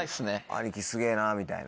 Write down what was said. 兄貴すげぇなみたいな。